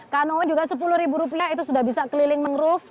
kano juga rp sepuluh itu sudah bisa keliling mangrove